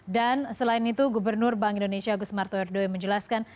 dan selain itu gubernur bank indonesia gus marto erdo yang menjelaskan